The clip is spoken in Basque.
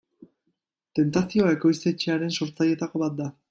Tentazioa ekoiztetxearen sortzailetako bat da.